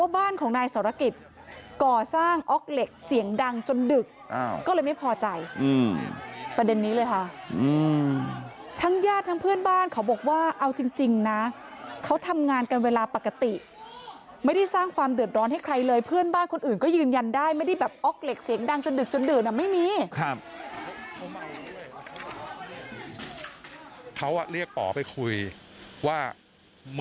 บ้านของนายสรกิจก่อสร้างอ๊อกเหล็กเสียงดังจนดึกก็เลยไม่พอใจประเด็นนี้เลยค่ะทั้งญาติทั้งเพื่อนบ้านเขาบอกว่าเอาจริงนะเขาทำงานกันเวลาปกติไม่ได้สร้างความเดือดร้อนให้ใครเลยเพื่อนบ้านคนอื่นก็ยืนยันได้ไม่ได้แบบออกเหล็กเสียงดังจนดึกจนดื่นอ่ะไม่มีครับ